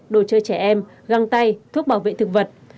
đồ chơi trẻ em găng tay thuốc bảo vệ thực vật